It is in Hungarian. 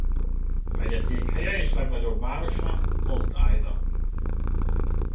Megyeszékhelye és legnagyobb városa Mount Ida.